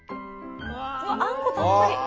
あんこたっぷり！